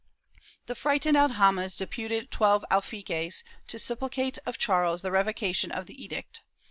The frightened aljamas deputed twelve alfaquies to supplicate of Charles the revocation of the edict.